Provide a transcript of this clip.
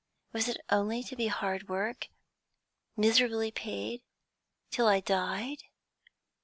Was it only to be hard work, miserably paid, till I died?